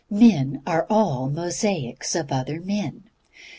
Men are all mosaics of other men.